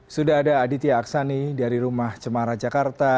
sudah ada aditya aksani dari rumah cemara jakarta